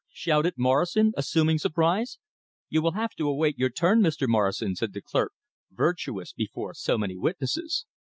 shouted Morrison, assuming surprise. "You will have to await your turn, Mr. Morrison," said the clerk, virtuous before so many witnesses.